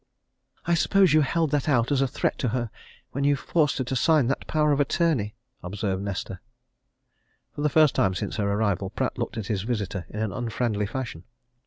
"I suppose you held that out as a threat to her when you forced her to sign that power of attorney?" observed Nesta. For the first time since her arrival Pratt looked at his visitor in an unfriendly fashion.